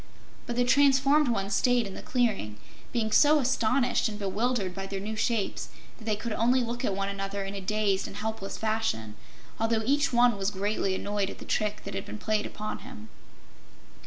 But the transformed ones stayed in the clearing, being so astonished and bewildered by their new shapes that they could only look at one another in a dazed and helpless fashion, although each one was greatly annoyed at the trick that had been played on him.